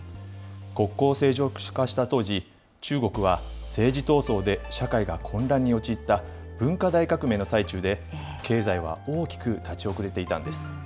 国交正常化した当時、中国は、政治闘争で社会が混乱に陥った文化大革命の最中で、経済は大きく立ち遅れていたんです。